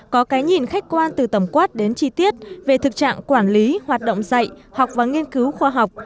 có cái nhìn khách quan từ tầm quát đến chi tiết về thực trạng quản lý hoạt động dạy học và nghiên cứu khoa học